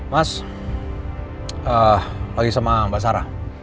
mas lagi sama mbak sarah